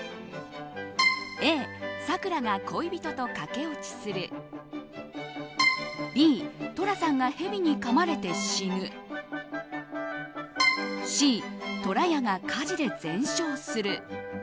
Ａ、さくらが恋人と駆け落ちするＢ、寅さんがヘビにかまれて死ぬＣ、とらやが火事で全焼する。